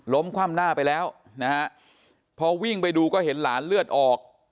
คว่ำหน้าไปแล้วนะฮะพอวิ่งไปดูก็เห็นหลานเลือดออก